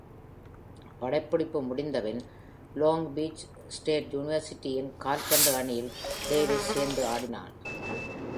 பட்டப்படிப்பு முடிந்தபின், Long Beach State University-யின் கால்பந்து அணியில் Davis சேர்ந்து ஆடினான்.